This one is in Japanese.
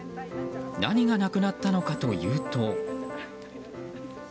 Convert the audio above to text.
何がなくなったのかというと。